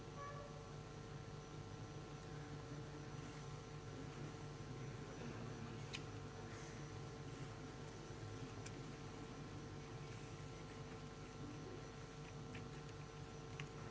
yang keenam pimpinan obra yang pertama